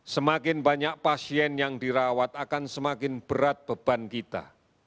semakin banyak pasien yang dirawat akan semakin berat beban kita